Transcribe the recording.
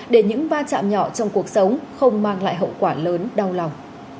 để những va chạm nhỏ trong cuộc sống không mang lại hậu quả lớn đau lòng